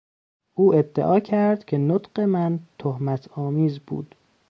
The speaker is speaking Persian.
او ادعا کرد که نطق من تهمت آمیز بود.